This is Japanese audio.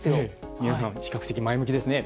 皆さん比較的前向きですね。